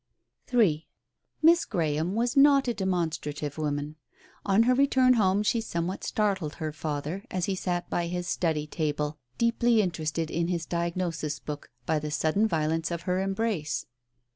III Miss Graham was not a demonstrative woman. On her return home she somewhat startled her father, as he sat by his study table, deeply interested in his diagnosis book, by the sudden violence of her embrace.